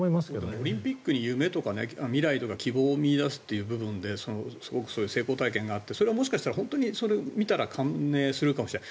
オリンピックに夢とか未来とか希望を見いだすという部分ですごく成功体験があってそれはもしかしたら本当に感銘するかもしれない。